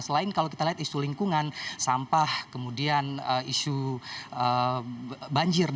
selain kalau kita lihat isu lingkungan sampah kemudian isu banjir